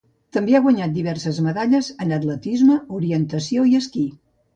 També ha guanyat diverses medalles en atletisme, orientació i esquí.